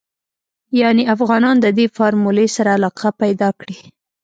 يانې افغانانو ددې فارمولې سره علاقه پيدا کړې.